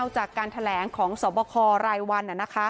จากการแถลงของสวบครายวัน